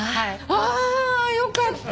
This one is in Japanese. あよかった。